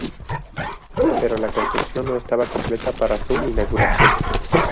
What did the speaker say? Pero la construcción no estaba completa para su inauguración.